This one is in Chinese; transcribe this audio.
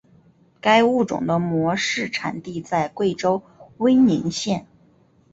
该物种的模式产地在贵州威宁县。